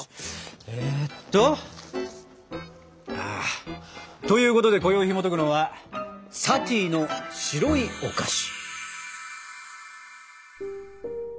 えっとああということでこよいひもとくのは「サティの白いお菓子」！